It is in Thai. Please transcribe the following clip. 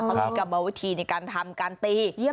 เขามีกรรมวิธีในการทำการตี